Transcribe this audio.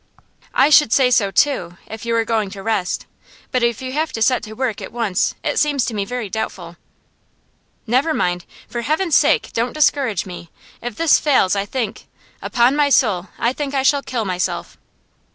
'I should say so too if you were going to rest. But if you have to set to work at once it seems to me very doubtful.' 'Never mind. For Heaven's sake don't discourage me! If this fails I think upon my soul, I think I shall kill myself.